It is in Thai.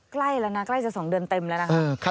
ใกล้แล้วนะใกล้จะ๒เดือนเต็มแล้วนะคะ